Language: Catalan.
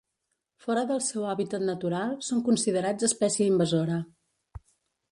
Fora del seu hàbitat natural, són considerats espècie invasora.